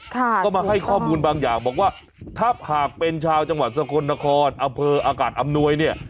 ก็มาให้ข้อมูลบางอย่างบอกว่าถ้าหากเป็นชาวจังหวัดสกลนครอำเภออากาศอำนวยเนี่ย